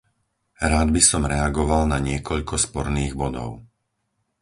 Rád by som reagoval na niekoľko sporných bodov.